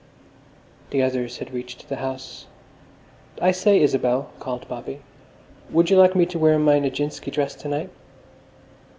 The others had reached the house. "I say, Isabel," called Bobby, "would you like me to wear my Nijinsky dress to night?"